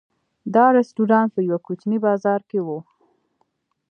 دا رسټورانټ په یوه کوچني بازار کې و.